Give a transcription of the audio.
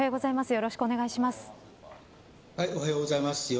よろしくお願いします。